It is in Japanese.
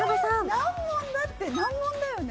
難問だって難問だよね？